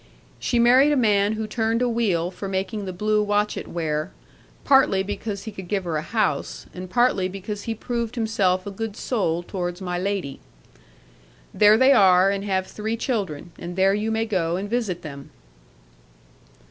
She married a man who turned a wheel for making the blue Watchett ware, partly because he could give her a house, and partly because he proved himself a good soul towards my Lady. There they are, and have three children; and there you may go and visit them.'